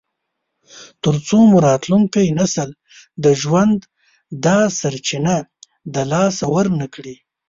تر څو مو راتلونکی نسل د ژوند دا سرچینه د لاسه ورنکړي.